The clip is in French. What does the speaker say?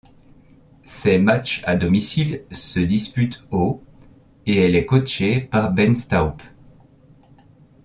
Ses matchs à domicile se disputent au et elle est coachée par Ben Staupe.